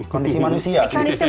kondisi manusia sih